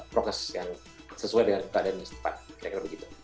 progres yang sesuai dengan keadaan istri kita